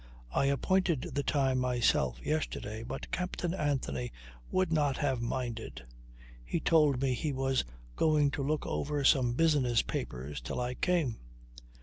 "I appointed the time myself yesterday, but Captain Anthony would not have minded. He told me he was going to look over some business papers till I came."